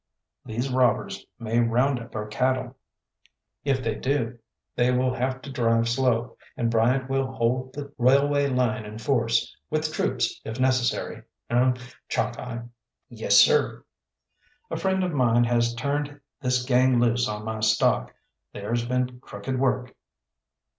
"These robbers may round up our cattle." "If they do they will have to drive slow, and Bryant will hold the railway line in force, with troops if necessary, er Chalkeye!" "Yessir." "A friend of mine has turned this gang loose on my stock. There's been crooked work."